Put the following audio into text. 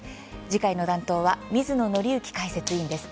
次回の担当は水野倫之解説委員です。